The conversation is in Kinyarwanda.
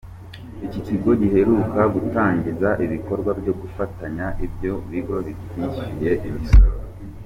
Iki kigo giheruka gutangiza ibikorwa byo gufunga ibyo bigo bitishyuye imisoro.